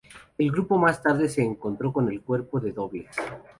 El grupo más tarde se encontró con el Cuerpo de dobles.